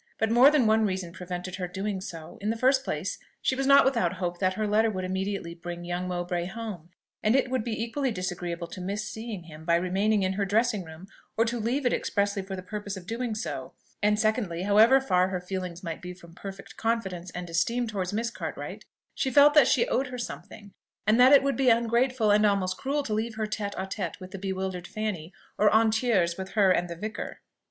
But more than one reason prevented her doing so. In the first place, she was not without hope that her letter would immediately bring young Mowbray home; and it would be equally disagreeable to miss seeing him, by remaining in her dressing room, or to leave it expressly for the purpose of doing so: and secondly, however far her feelings might be from perfect confidence and esteem towards Miss Cartwright, she felt that she owed her something, and that it would be ungrateful and almost cruel to leave her tête à tête with the bewildered Fanny, or en tiers with her and the vicar.